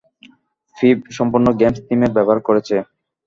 ফিব সম্পূর্ণ গেমস থিমের ব্যবহার করেছে।